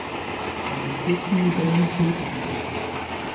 Bei den kurzen Modellen fehlte dieser.